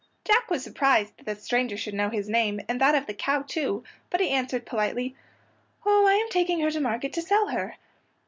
Jack was surprised that the stranger should know his name, and that of the cow, too, but he answered politely, "Oh, I am taking her to market to sell her."